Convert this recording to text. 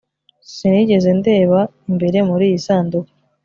sinigeze ndeba imbere muriyi sanduku